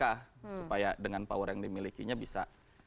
supaya dengan power yang dimilikinya bisa